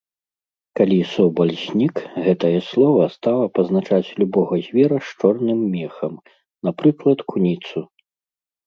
Калі собаль знік, гэтае слова стала пазначаць любога звера з чорным мехам, напрыклад куніцу.